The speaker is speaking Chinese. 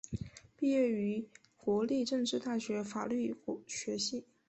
毕业于国立政治大学法律学系。